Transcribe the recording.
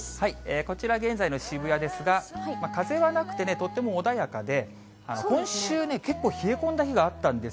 こちら、現在の渋谷ですが、風はなくて、とっても穏やかで、今週ね、結構冷え込んだ日があったんです